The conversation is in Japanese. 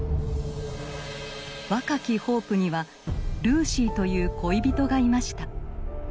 若きホープにはルーシーという恋人がいました。